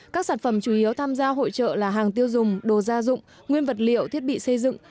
các sản phẩm chủ yếu tham gia hội trợ là hàng tiêu dùng đồ gia dụng nguyên vật liệu thiết bị xây dựng